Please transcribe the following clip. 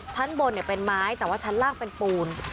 ชั้นบนเป็นไม้แต่ว่าชั้นล่างเป็นปูน